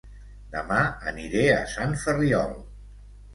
Dema aniré a Sant Ferriol